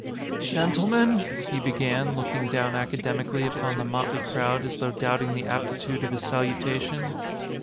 "Gentlemen," he began, looking down academically upon the motley crowd as though doubting the aptitude of his salutation.